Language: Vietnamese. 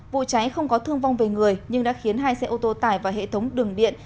vụ cháy không có thương vong về người nhưng đã khiến hai xe ô tô tải và hệ thống đường điện